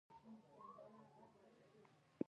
تر دې وروسته موږ د ډبرې ګنبدې ته ننوتلو.